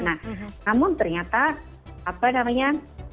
namun ternyata apa namanya